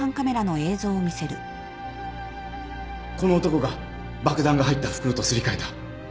この男が爆弾が入った袋とすり替えた